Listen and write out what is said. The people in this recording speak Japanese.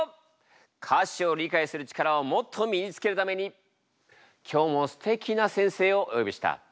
歌詞を理解する力をもっと身につけるために今日もすてきな先生をお呼びした。